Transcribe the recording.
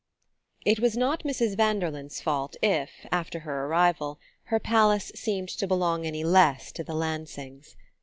IT was not Mrs. Vanderlyn's fault if, after her arrival, her palace seemed to belong any less to the Lansings.